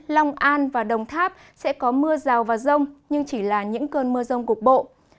long an và đồng tháp sẽ có mưa rào và rông nhưng chỉ là những cơn mưa rông cục bộ